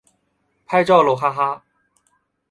拍照喽哈哈